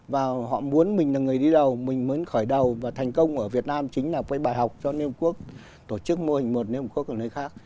và họ muốn mình là người đi đầu mình muốn khởi đầu và thành công ở việt nam chính là quay bài học cho liên hiệp quốc tổ chức mô hình một liên hiệp quốc ở nơi khác